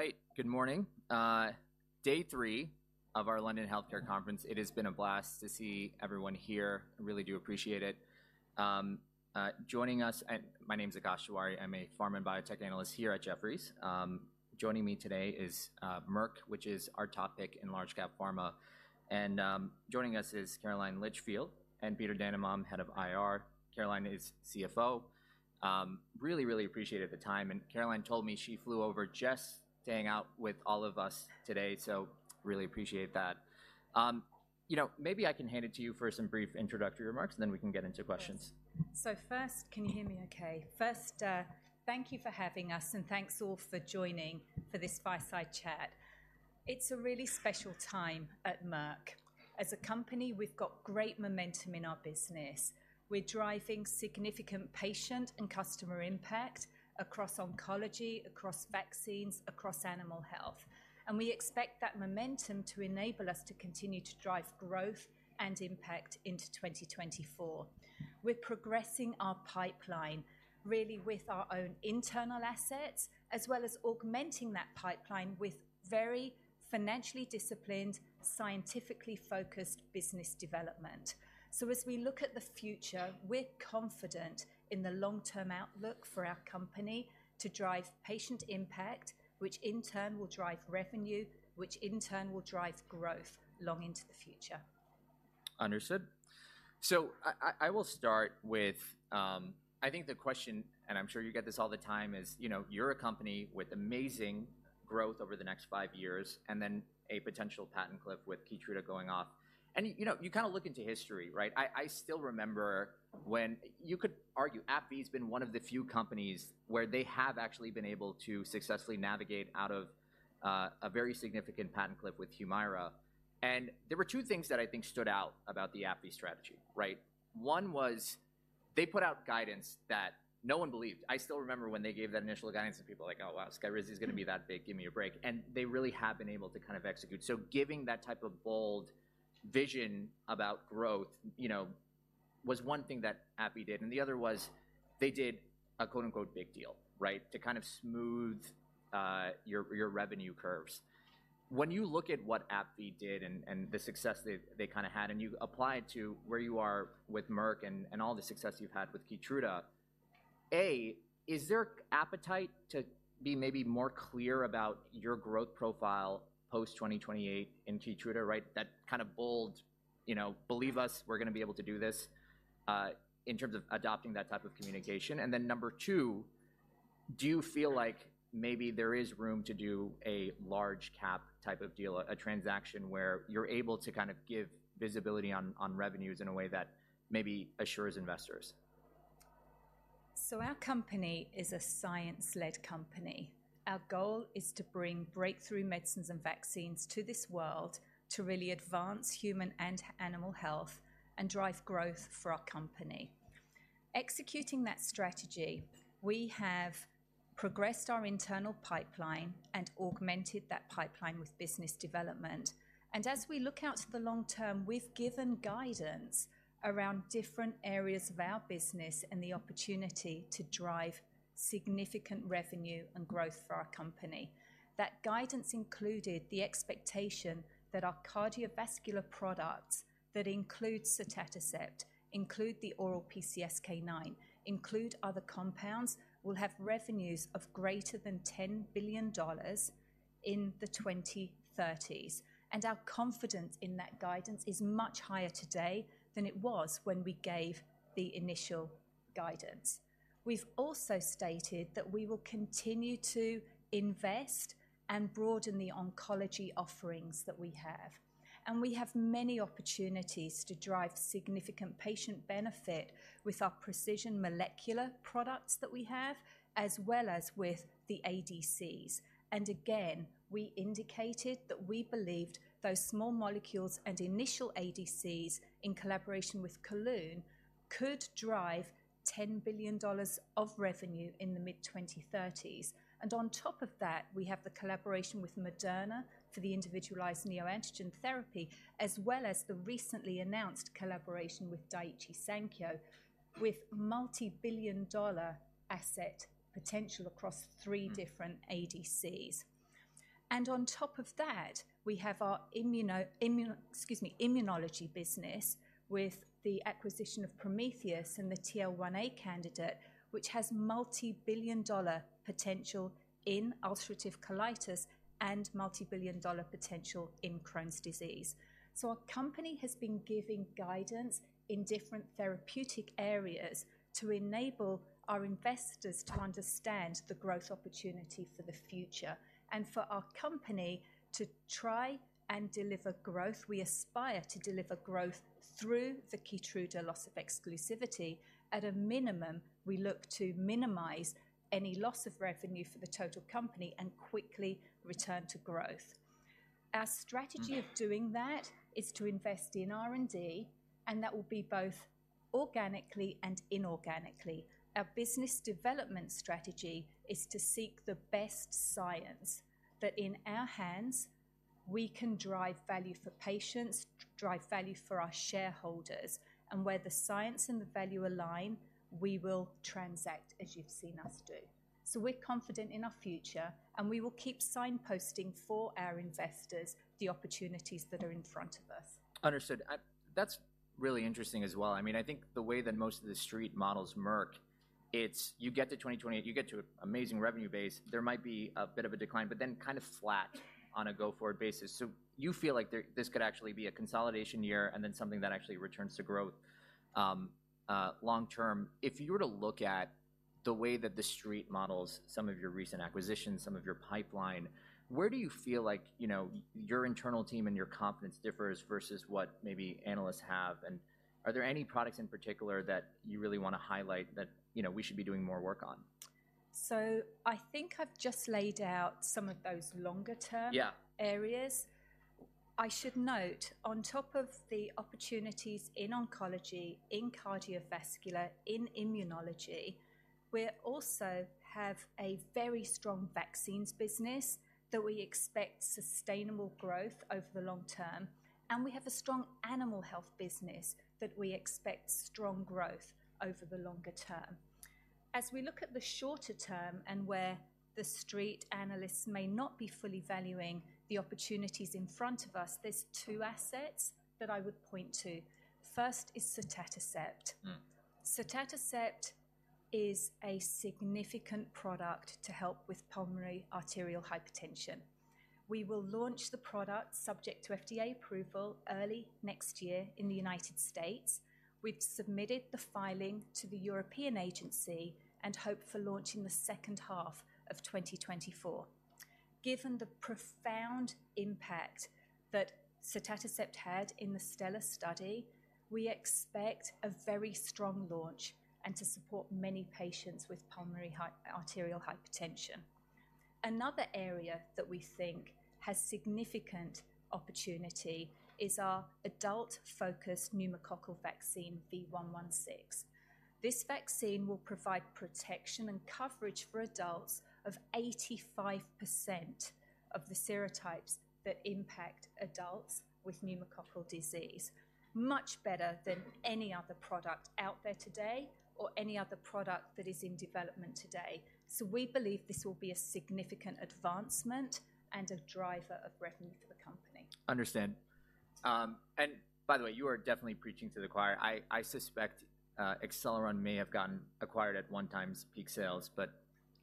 All right. Good morning. Day three of our London Healthcare Conference. It has been a blast to see everyone here. I really do appreciate it. Joining us, and my name is Akash Tewari. I'm a Pharma and Biotech Analyst here at Jefferies. Joining me today is Merck, which is our topic in large cap pharma, and joining us is Caroline Litchfield and Peter Dannenbaum, head of IR. Caroline is CFO. Really, really appreciate the time, and Caroline told me she flew over just to hang out with all of us today, so really appreciate that. You know, maybe I can hand it to you for some brief introductory remarks, and then we can get into questions. First... Can you hear me okay? First, thank you for having us, and thanks all for joining for this fireside chat. It's a really special time at Merck. As a company, we've got great momentum in our business. We're driving significant patient and customer impact across oncology, across vaccines, across animal health, and we expect that momentum to enable us to continue to drive growth and impact into 2024. We're progressing our pipeline really with our own internal assets, as well as augmenting that pipeline with very financially disciplined, scientifically focused business development. So as we look at the future, we're confident in the long-term outlook for our company to drive patient impact, which in turn will drive revenue, which in turn will drive growth long into the future. Understood. So I will start with... I think the question, and I'm sure you get this all the time, is, you know, you're a company with amazing growth over the next five years, and then a potential patent cliff with KEYTRUDA going off. And, you know, you kinda look into history, right? I still remember when-- You could argue AbbVie's been one of the few companies where they have actually been able to successfully navigate out of, a very significant patent cliff with Humira, and there were two things that I think stood out about the AbbVie strategy, right? One was they put out guidance that no one believed. I still remember when they gave that initial guidance, and people were like: "Oh, wow, Skyrizi is gonna be that big? Give me a break." And they really have been able to kind of execute. So giving that type of bold vision about growth, you know, was one thing that AbbVie did, and the other was they did a quote-unquote, big deal, right? To kind of smooth your revenue curves. When you look at what AbbVie did and the success they kinda had, and you apply it to where you are with Merck and all the success you've had with KEYTRUDA, is there appetite to be maybe more clear about your growth profile post-2028 in KEYTRUDA, right? That kind of bold, you know, "Believe us, we're gonna be able to do this," in terms of adopting that type of communication. And then number two, do you feel like maybe there is room to do a large cap type of deal, a transaction where you're able to kind of give visibility on, on revenues in a way that maybe assures investors? Our company is a science-led company. Our goal is to bring breakthrough medicines and vaccines to this world to really advance human and animal health and drive growth for our company. Executing that strategy, we have progressed our internal pipeline and augmented that pipeline with business development. As we look out to the long term, we've given guidance around different areas of our business and the opportunity to drive significant revenue and growth for our company. That guidance included the expectation that our cardiovascular products, that includes sotatercept, include the oral PCSK9, include other compounds, will have revenues of greater than $10 billion in the 2030s. Our confidence in that guidance is much higher today than it was when we gave the initial guidance. We've also stated that we will continue to invest and broaden the oncology offerings that we have, and we have many opportunities to drive significant patient benefit with our precision molecular products that we have, as well as with the ADCs. Again, we indicated that we believed those small molecules and initial ADCs in collaboration with Kelun could drive $10 billion of revenue in the mid-2030s. On top of that, we have the collaboration with Moderna for the individualized neoantigen therapy, as well as the recently announced collaboration with Daiichi Sankyo, with multi-billion dollar asset potential across three different ADCs. On top of that, we have our immuno, immune, excuse me, immunology business with the acquisition of Prometheus and the TL1A candidate, which has multi-billion dollar potential in ulcerative colitis and multi-billion dollar potential in Crohn's disease. So our company has been giving guidance in different therapeutic areas to enable our investors to understand the growth opportunity for the future and for our company to try and deliver growth. We aspire to deliver growth through the KEYTRUDA loss of exclusivity. At a minimum, we look to minimize any loss of revenue for the total company and quickly return to growth. Our strategy of doing that is to invest in R&D, and that will be both organically and inorganically. Our business development strategy is to seek the best science that, in our hands, we can drive value for patients, drive value for our shareholders, and where the science and the value align, we will transact as you've seen us do. So we're confident in our future, and we will keep signposting for our investors the opportunities that are in front of us. Understood. That's really interesting as well. I mean, I think the way that most of the street models Merck, it's you get to 2028, you get to an amazing revenue base. There might be a bit of a decline, but then kind of flat on a go-forward basis. So you feel like there this could actually be a consolidation year and then something that actually returns to growth, long term. If you were to look at the way that the street models some of your recent acquisitions, some of your pipeline, where do you feel like, you know, your internal team and your confidence differs versus what maybe analysts have? And are there any products in particular that you really want to highlight that, you know, we should be doing more work on? So I think I've just laid out some of those longer-term- Yeah -areas. I should note, on top of the opportunities in oncology, in cardiovascular, in immunology, we also have a very strong vaccines business that we expect sustainable growth over the long term, and we have a strong animal health business that we expect strong growth over the longer term. As we look at the shorter term and where the street analysts may not be fully valuing the opportunities in front of us, there's two assets that I would point to. First is sotatercept. Hmm. Sotatercept is a significant product to help with pulmonary arterial hypertension. We will launch the product, subject to FDA approval, early next year in the United States. We've submitted the filing to the European agency and hope for launch in the second half of 2024. Given the profound impact that sotatercept had in the STELLAR study, we expect a very strong launch and to support many patients with pulmonary arterial hypertension. Another area that we think has significant opportunity is our adult-focused pneumococcal vaccine, V116. This vaccine will provide protection and coverage for adults of 85% of the serotypes that impact adults with pneumococcal disease, much better than any other product out there today or any other product that is in development today. So we believe this will be a significant advancement and a driver of revenue for the company. Understand. And by the way, you are definitely preaching to the choir. I suspect, Acceleron may have gotten acquired at one time's peak sales,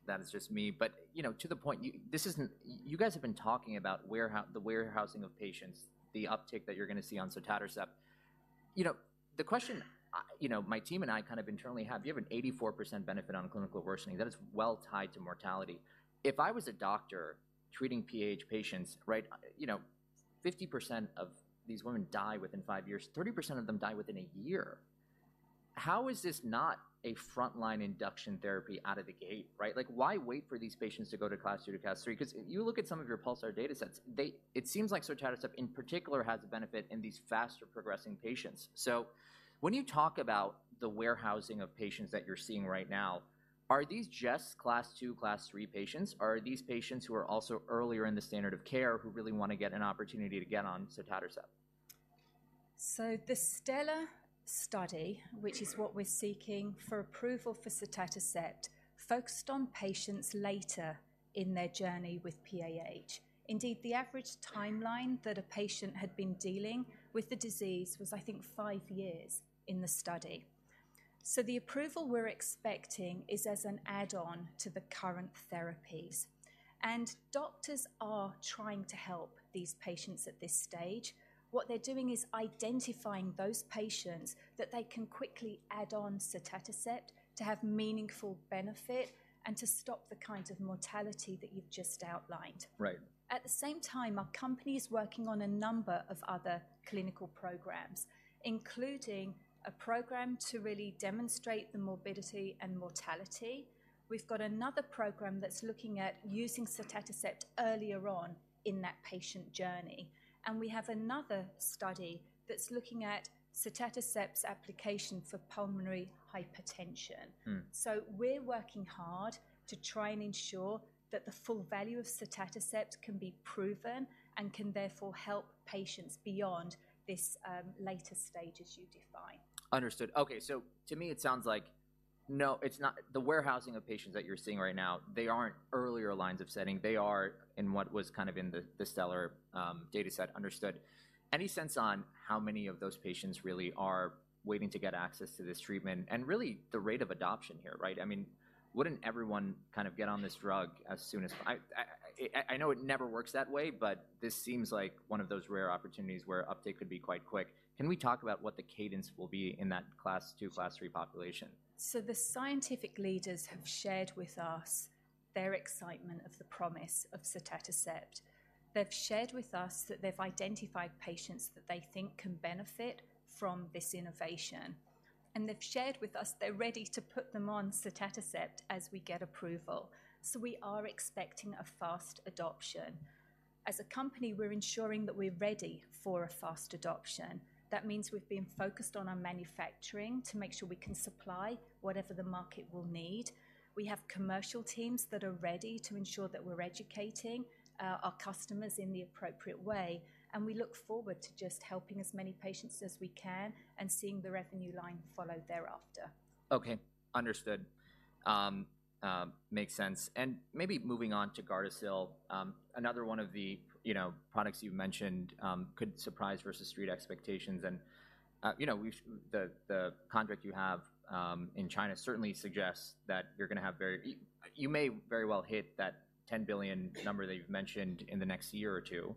but that is just me. But, you know, to the point, you guys have been talking about the warehousing of patients, the uptick that you're going to see on sotatercept. You know, the question, you know, my team and I kind of internally have, you have an 84% benefit on clinical worsening, that is well tied to mortality. If I was a doctor treating PAH patients, right, you know, 50% of these women die within five years, 30% of them die within a year. How is this not a frontline induction therapy out of the gate, right? Like, why wait for these patients to go to Class II to Class III? 'Cause you look at some of your PULSAR datasets, they, it seems like sotatercept in particular has a benefit in these faster-progressing patients. So when you talk about the warehousing of patients that you're seeing right now, are these just Class II, Class III patients, or are these patients who are also earlier in the standard of care who really want to get an opportunity to get on sotatercept? So the STELLAR study, which is what we're seeking for approval for sotatercept, focused on patients later in their journey with PAH. Indeed, the average timeline that a patient had been dealing with the disease was, I think, five years in the study. So the approval we're expecting is as an add-on to the current therapies, and doctors are trying to help these patients at this stage. What they're doing is identifying those patients that they can quickly add on sotatercept to have meaningful benefit and to stop the kinds of mortality that you've just outlined. Right. At the same time, our company is working on a number of other clinical programs, including a program to really demonstrate the morbidity and mortality. We've got another program that's looking at using sotatercept earlier on in that patient journey. And we have another study that's looking at sotatercept's application for pulmonary hypertension. Hmm. So we're working hard to try and ensure that the full value of sotatercept can be proven and can therefore help patients beyond this, later stage as you define. Understood. Okay, so to me, it sounds like, no, it's not the warehousing of patients that you're seeing right now, they aren't earlier lines of setting. They are in what was kind of in the, the STELLAR dataset. Understood. Any sense on how many of those patients really are waiting to get access to this treatment and really the rate of adoption here, right? I mean, wouldn't everyone kind of get on this drug as soon as...? I know it never works that way, but this seems like one of those rare opportunities where uptake could be quite quick. Can we talk about what the cadence will be in that Class II, Class III population? So the scientific leaders have shared with us their excitement of the promise of sotatercept. They've shared with us that they've identified patients that they think can benefit from this innovation... and they've shared with us they're ready to put them on sotatercept as we get approval. So we are expecting a fast adoption. As a company, we're ensuring that we're ready for a fast adoption. That means we've been focused on our manufacturing to make sure we can supply whatever the market will need. We have commercial teams that are ready to ensure that we're educating our customers in the appropriate way, and we look forward to just helping as many patients as we can and seeing the revenue line follow thereafter. Okay, understood. Makes sense. And maybe moving on to Gardasil, another one of the, you know, products you've mentioned, could surprise versus street expectations. And, you know, the contract you have in China certainly suggests that you're gonna have very you may very well hit that $10 billion number that you've mentioned in the next year or two.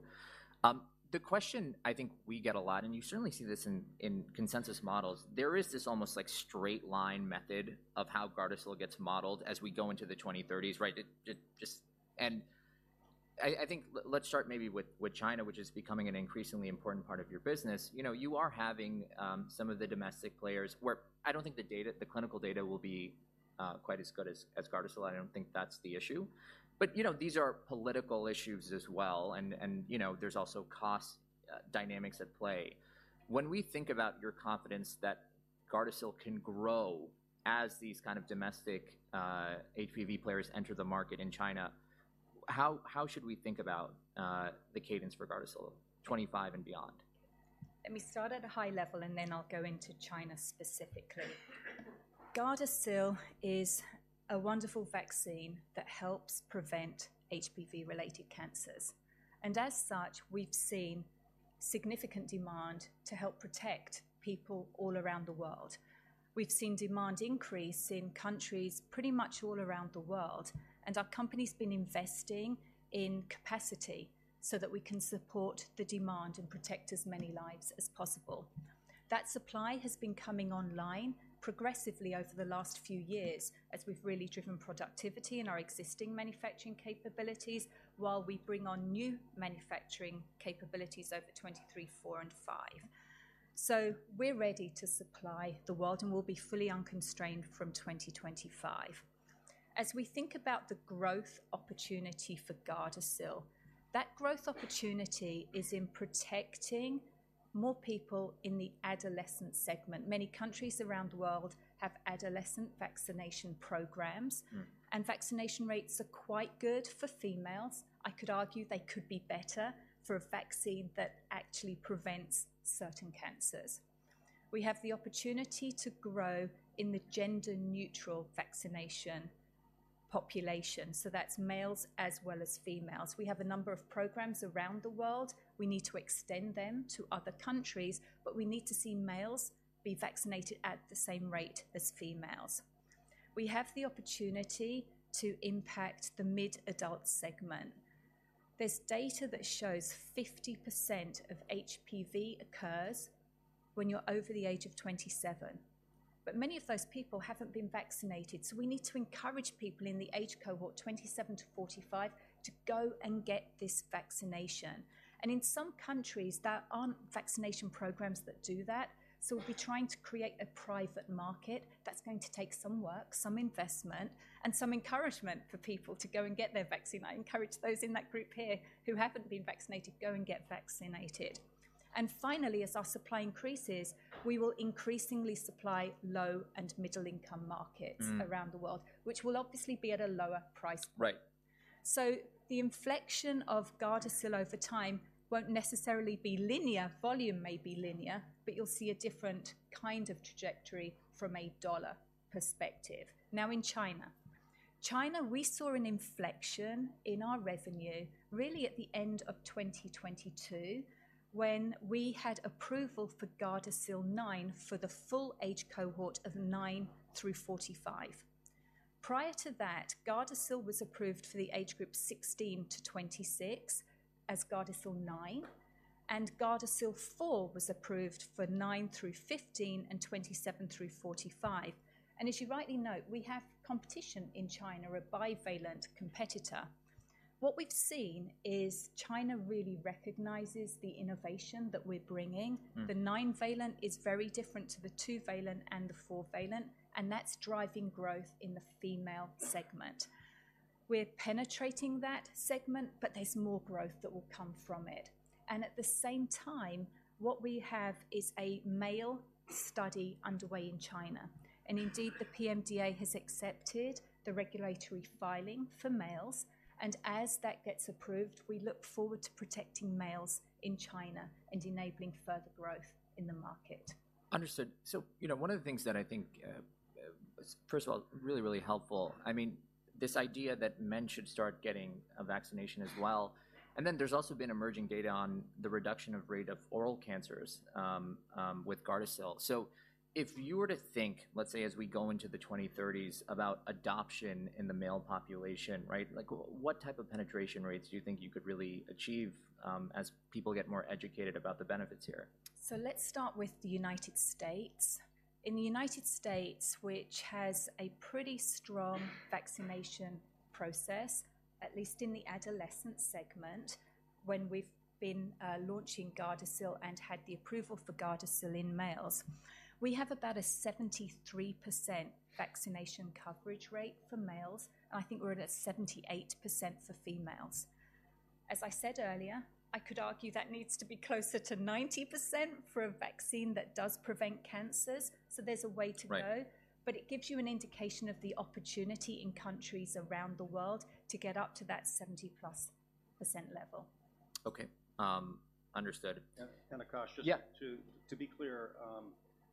The question I think we get a lot, and you certainly see this in consensus models, there is this almost like straight line method of how Gardasil gets modeled as we go into the 2030s, right? It just I think let's start maybe with China, which is becoming an increasingly important part of your business. You know, you are having some of the domestic players where I don't think the data, the clinical data will be quite as good as Gardasil. I don't think that's the issue. But, you know, these are political issues as well, and you know, there's also cost dynamics at play. When we think about your confidence that Gardasil can grow as these kind of domestic HPV players enter the market in China, how should we think about the cadence for Gardasil 25 and beyond? Let me start at a high level, and then I'll go into China specifically. Gardasil is a wonderful vaccine that helps prevent HPV-related cancers, and as such, we've seen significant demand to help protect people all around the world. We've seen demand increase in countries pretty much all around the world, and our company's been investing in capacity so that we can support the demand and protect as many lives as possible. That supply has been coming online progressively over the last few years as we've really driven productivity in our existing manufacturing capabilities, while we bring on new manufacturing capabilities over 2023, 2024, and 2025. So we're ready to supply the world, and we'll be fully unconstrained from 2025. As we think about the growth opportunity for Gardasil, that growth opportunity is in protecting more people in the adolescent segment. Many countries around the world have adolescent vaccination programs- Mm. Vaccination rates are quite good for females. I could argue they could be better for a vaccine that actually prevents certain cancers. We have the opportunity to grow in the gender-neutral vaccination population, so that's males as well as females. We have a number of programs around the world. We need to extend them to other countries, but we need to see males be vaccinated at the same rate as females. We have the opportunity to impact the mid-adult segment. There's data that shows 50% of HPV occurs when you're over the age of 27, but many of those people haven't been vaccinated, so we need to encourage people in the age cohort 27 to 45 to go and get this vaccination. In some countries, there aren't vaccination programs that do that, so we'll be trying to create a private market that's going to take some work, some investment, and some encouragement for people to go and get their vaccine. I encourage those in that group here who haven't been vaccinated, go and get vaccinated. Finally, as our supply increases, we will increasingly supply low and middle-income markets- Mm. around the world, which will obviously be at a lower price point. Right. So the inflection of Gardasil over time won't necessarily be linear. Volume may be linear, but you'll see a different kind of trajectory from a dollar perspective. Now, in China. China, we saw an inflection in our revenue really at the end of 2022, when we had approval for Gardasil 9 for the full age cohort of 9-45. Prior to that, Gardasil was approved for the age group 16-26 as Gardasil 9, and Gardasil 4 was approved for 9-15 and 27-45. And as you rightly note, we have competition in China, a bivalent competitor. What we've seen is China really recognizes the innovation that we're bringing. Mm. The nine valent is very different to the two valent and the four valent, and that's driving growth in the female segment. We're penetrating that segment, but there's more growth that will come from it. And at the same time, what we have is a male study underway in China, and indeed, the PMDA has accepted the regulatory filing for males, and as that gets approved, we look forward to protecting males in China and enabling further growth in the market. Understood. So, you know, one of the things that I think, first of all, really, really helpful, I mean, this idea that men should start getting a vaccination as well, and then there's also been emerging data on the reduction of rate of oral cancers, with Gardasil. So if you were to think, let's say, as we go into the 2030s, about adoption in the male population, right? Like, what type of penetration rates do you think you could really achieve, as people get more educated about the benefits here? So let's start with the United States. In the United States, which has a pretty strong vaccination process, at least in the adolescent segment, when we've been launching Gardasil and had the approval for Gardasil in males, we have about a 73% vaccination coverage rate for males, and I think we're at a 78% for females. As I said earlier, I could argue that needs to be closer to 90% for a vaccine that does prevent cancers. So there's a way to go. Right. But it gives you an indication of the opportunity in countries around the world to get up to that 70+% level. Okay, understood. Akash. Yeah. Just to be clear,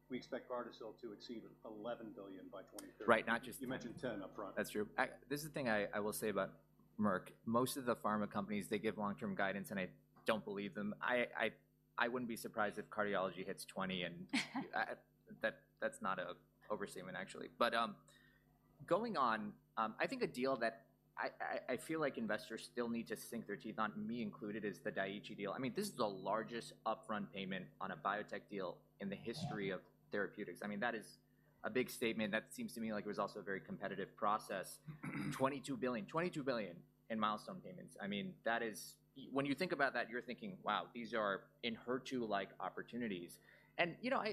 we expect Gardasil to exceed $11 billion by 2030. Right. Not just. You mentioned $10 billion upfront. That's true. I. This is the thing I will say about Merck. Most of the pharma companies, they give long-term guidance, and I don't believe them. I wouldn't be surprised if cardiology hits $20 billion, and. That, that's not an overstatement, actually. But, going on, I think a deal that I feel like investors still need to sink their teeth on, me included, is the Daiichi deal. I mean, this is the largest upfront payment on a biotech deal in the history of therapeutics. I mean, that is a big statement. That seems to me like it was also a very competitive process. $22 billion, $22 billion in milestone payments. I mean, that is... When you think about that, you're thinking, "Wow, these are in HER2-like opportunities." And, you know,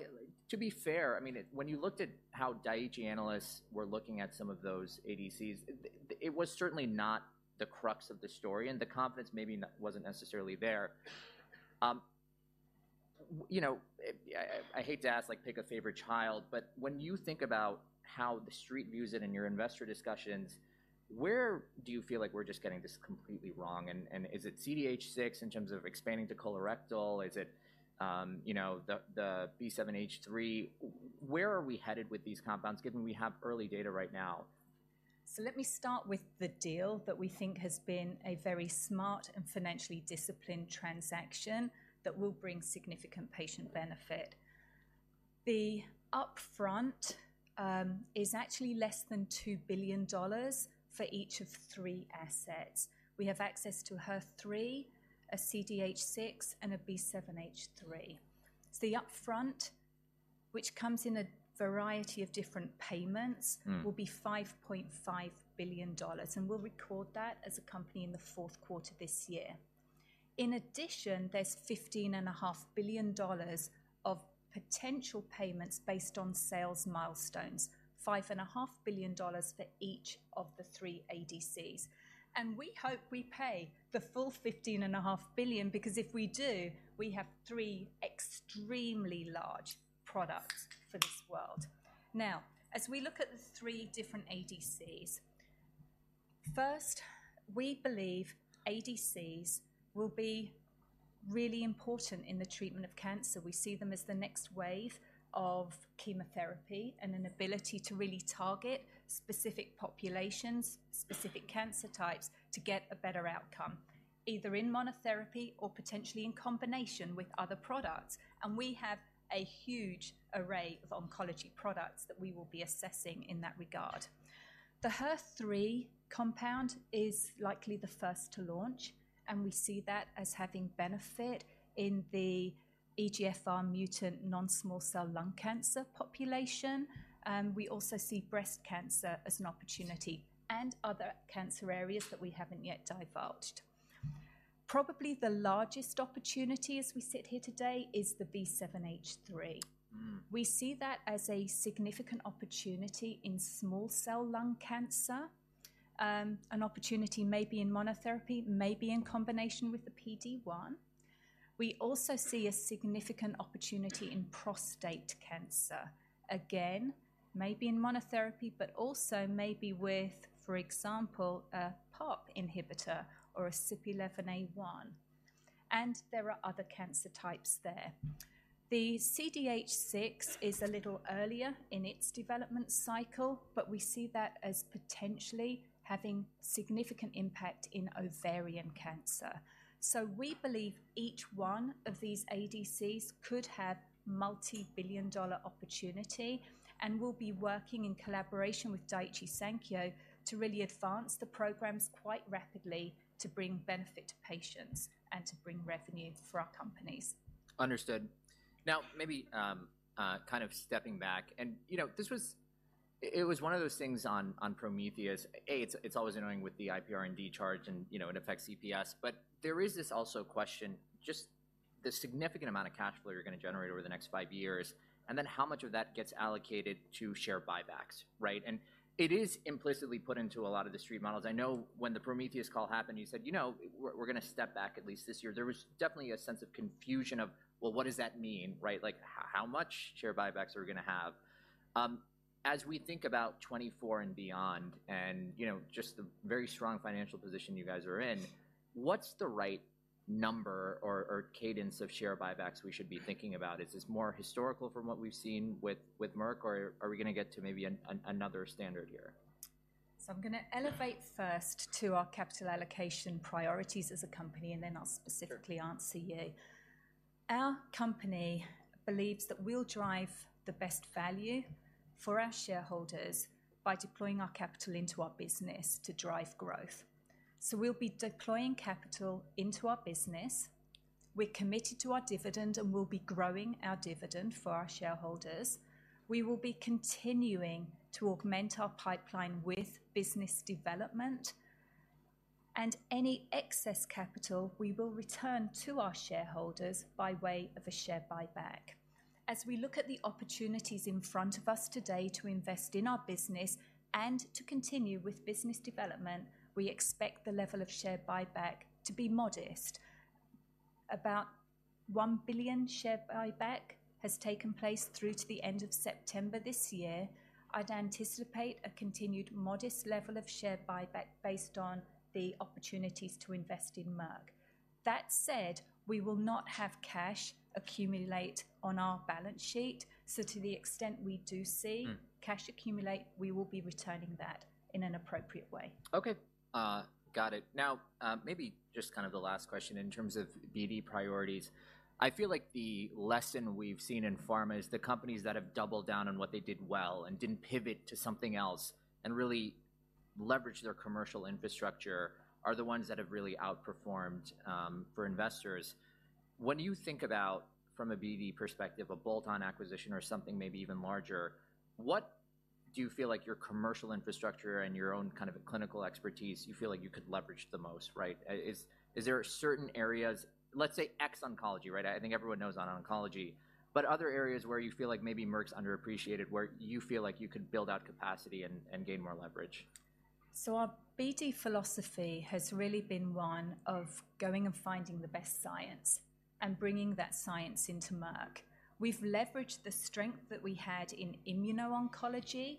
to be fair, I mean, when you looked at how Daiichi analysts were looking at some of those ADCs, it was certainly not the crux of the story, and the confidence maybe wasn't necessarily there. You know, I hate to ask, like, pick a favorite child, but when you think about how the street views it in your investor discussions, where do you feel like we're just getting this completely wrong? And, and is it CDH6 in terms of expanding to colorectal? Is it, you know, the B7-H3? Where are we headed with these compounds, given we have early data right now? So let me start with the deal that we think has been a very smart and financially disciplined transaction that will bring significant patient benefit. The upfront is actually less than $2 billion for each of three assets. We have access to HER3, a CDH6, and a B7-H3. So the upfront, which comes in a variety of different payments- Mm. will be $5.5 billion, and we'll record that as a company in the fourth quarter this year. In addition, there's $15.5 billion of potential payments based on sales milestones, $5.5 billion for each of the three ADCs. And we hope we pay the full $15.5 billion because if we do, we have three extremely large products for this world. Now, as we look at the three different ADCs, first, we believe ADCs will be really important in the treatment of cancer. We see them as the next wave of chemotherapy and an ability to really target specific populations, specific cancer types, to get a better outcome, either in monotherapy or potentially in combination with other products. And we have a huge array of oncology products that we will be assessing in that regard. The HER3 compound is likely the first to launch, and we see that as having benefit in the EGFR mutant non-small cell lung cancer population. We also see breast cancer as an opportunity and other cancer areas that we haven't yet divulged. Probably the largest opportunity as we sit here today is the B7-H3. Mm. We see that as a significant opportunity in small cell lung cancer, an opportunity maybe in monotherapy, maybe in combination with the PD-1. We also see a significant opportunity in prostate cancer. Again, maybe in monotherapy, but also maybe with, for example, a PARP inhibitor or a CYP17A1, and there are other cancer types there. The CDH-6 is a little earlier in its development cycle, but we see that as potentially having significant impact in ovarian cancer. So we believe each one of these ADCs could have multi-billion dollar opportunity, and we'll be working in collaboration with Daiichi Sankyo to really advance the programs quite rapidly to bring benefit to patients and to bring revenue for our companies. Understood. Now, maybe kind of stepping back and, you know, this was. It was one of those things on Prometheus. It's always annoying with the IPR&D charge and, you know, it affects EPS. But there is this also question, just the significant amount of cash flow you're going to generate over the next five years, and then how much of that gets allocated to share buybacks, right? And it is implicitly put into a lot of the street models. I know when the Prometheus call happened, you said, "You know, we're going to step back at least this year." There was definitely a sense of confusion. Well, what does that mean, right? Like, how much share buybacks are we going to have? As we think about 2024 and beyond, and, you know, just the very strong financial position you guys are in, what's the right number or cadence of share buybacks we should be thinking about? Is this more historical from what we've seen with Merck, or are we going to get to maybe another standard here? So I'm going to elevate first to our capital allocation priorities as a company, and then I'll specifically answer you. Our company believes that we'll drive the best value for our shareholders by deploying our capital into our business to drive growth. So we'll be deploying capital into our business. We're committed to our dividend and we'll be growing our dividend for our shareholders. We will be continuing to augment our pipeline with business development, and any excess capital, we will return to our shareholders by way of a share buyback... as we look at the opportunities in front of us today to invest in our business and to continue with business development, we expect the level of share buyback to be modest. About $1 billion share buyback has taken place through to the end of September this year. I'd anticipate a continued modest level of share buyback based on the opportunities to invest in Merck. That said, we will not have cash accumulate on our balance sheet, so to the extent we do see- Mm. cash accumulate, we will be returning that in an appropriate way. Okay. Got it. Now, maybe just kind of the last question in terms of BD priorities. I feel like the lesson we've seen in pharma is the companies that have doubled down on what they did well and didn't pivot to something else and really leveraged their commercial infrastructure, are the ones that have really outperformed, for investors. When you think about, from a BD perspective, a bolt-on acquisition or something maybe even larger, what do you feel like your commercial infrastructure and your own kind of clinical expertise you feel like you could leverage the most, right? Is there certain areas, let's say X oncology, right? I think everyone knows on oncology, but other areas where you feel like maybe Merck's underappreciated, where you feel like you could build out capacity and gain more leverage? Our BD philosophy has really been one of going and finding the best science and bringing that science into Merck. We've leveraged the strength that we had in immuno-oncology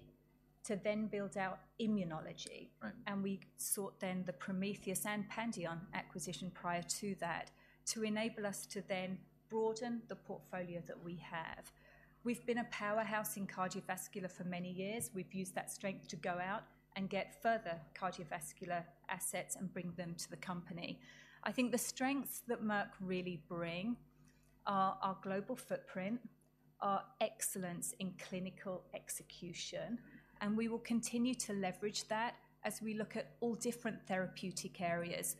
to then build out immunology. Right. We sought then the Prometheus and Pandion acquisition prior to that, to enable us to then broaden the portfolio that we have. We've been a powerhouse in cardiovascular for many years. We've used that strength to go out and get further cardiovascular assets and bring them to the company. I think the strengths that Merck really bring are our global footprint, our excellence in clinical execution, and we will continue to leverage that as we look at all different therapeutic areas.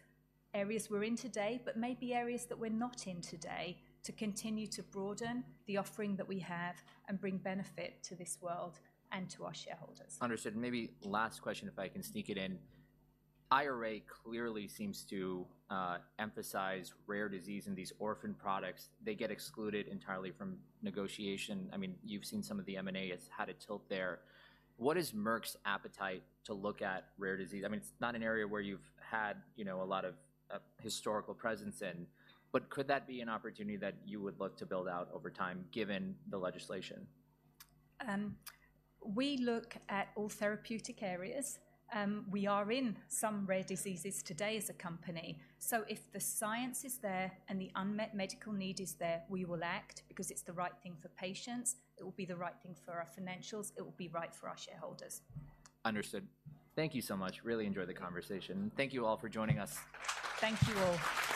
Areas we're in today, but maybe areas that we're not in today, to continue to broaden the offering that we have and bring benefit to this world and to our shareholders. Understood. Maybe last question, if I can sneak it in. IRA clearly seems to emphasize rare disease in these orphan products. They get excluded entirely from negotiation. I mean, you've seen some of the M&A, it's had a tilt there. What is Merck's appetite to look at rare disease? I mean, it's not an area where you've had, you know, a lot of historical presence in, but could that be an opportunity that you would look to build out over time, given the legislation? We look at all therapeutic areas, and we are in some rare diseases today as a company. If the science is there and the unmet medical need is there, we will act because it's the right thing for patients, it will be the right thing for our financials, it will be right for our shareholders. Understood. Thank you so much. Really enjoyed the conversation. Thank you all for joining us. Thank you all.